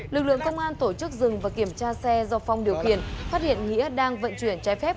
lực lượng công an tổ chức dừng và kiểm tra xe do phong điều khiển phát hiện nghĩa đang vận chuyển trái phép